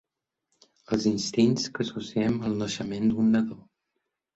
Els instints que associem al naixement d'un nadó.